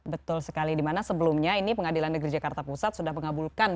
betul sekali dimana sebelumnya ini pengadilan negeri jakarta pusat sudah mengabulkan